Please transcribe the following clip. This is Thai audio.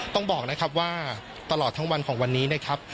ต้องบอกนะครับว่าตลอดทั้งวันของวันนี้นะครับ